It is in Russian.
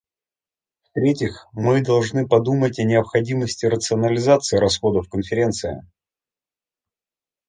В-третьих, мы должны подумать о необходимости рационализации расходов Конференции.